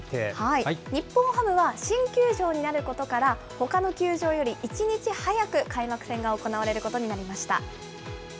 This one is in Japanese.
日本ハムは新球場になることから、ほかの球場より１日早く開幕戦が行われることになりました。